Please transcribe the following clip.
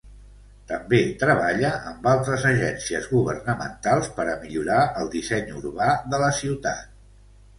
També treballa amb altres agències governamentals per a millorar el disseny urbà de la ciutat.